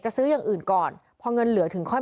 และก็คือว่าถึงแม้วันนี้จะพบรอยเท้าเสียแป้งจริงไหม